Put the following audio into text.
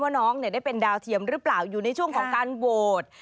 น้องได้เป็นดาวเทียมหรือเปล่าอยู่ในช่วงของการโหวต